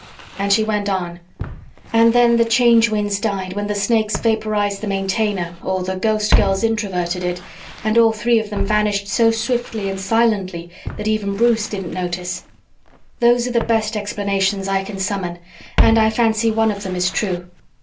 And she went on, "And then the Change Winds died when the Snakes vaporized the Maintainer or the Ghostgirls Introverted it and all three of them vanished so swiftly and silently that even Bruce didn't notice those are the best explanations I can summon and I fancy one of them is true.